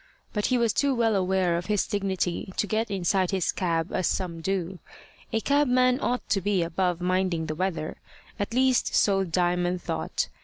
But he was too well aware of his dignity to get inside his cab as some do. A cabman ought to be above minding the weather at least so Diamond thought.